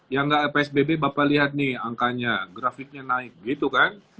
yang nggak psbb bapak lihat nih angkanya grafiknya naik gitu kan